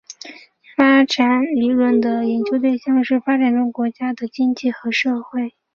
发展理论的研究对象是发展中国家的经济和社会低增长不增长的原因及对策。